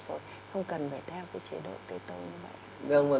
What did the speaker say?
không cần phải theo chế độ kế tố như vậy